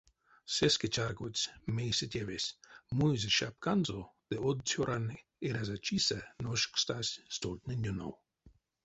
Сеске чарькодсь, мейсэ тевесь, муизе шапканзо ды од цёрань эрязачисэ ношкстась стольтнень ёнов.